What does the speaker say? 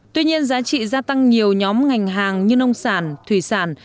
tuy nhiên giá trị gia tăng nhiều nhóm ngành hàng như nông sản thủy sản